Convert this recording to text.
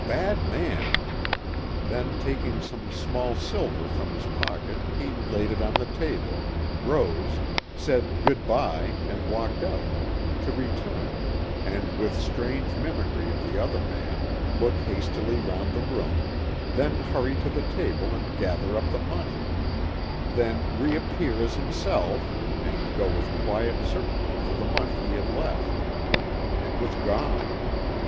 Bad man " then taking some small silver from his pocket he laid it on the table, rose, said " Good by " and walked out, to return, and with strange mimicry of the other man, look hastily round the room then hurry to the table and gather up the money ; then reappear as himself and go with quiet certainty for the money he had left. It was gone.